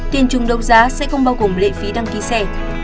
tiền chung đấu giá sẽ không bao gồm lệ phí đăng ký xe